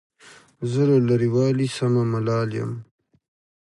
له لرې والي سمه ملال یم.